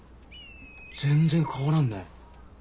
全然変わらんね。